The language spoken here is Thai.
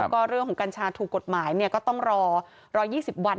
ก็เรื่องของกัญชาถูกกฎหมายก็ต้องรอ๑๒๐วัน